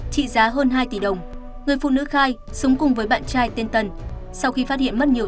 trị giá hơn hai tỷ đồng người phụ nữ khai sống cùng với bạn trai tên tần sau khi phát hiện mất nhiều